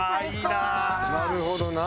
なるほどな。